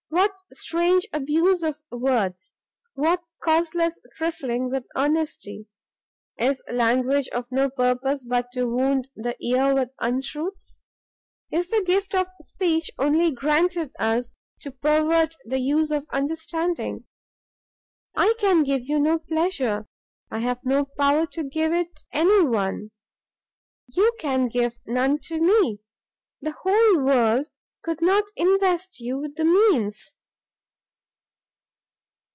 what strange abuse of words! what causeless trifling with honesty! is language of no purpose but to wound the ear with untruths? is the gift of speech only granted us to pervert the use of understanding? I can give you no pleasure, I have no power to give it any one; you can give none to me the whole world could not invest you with the means!"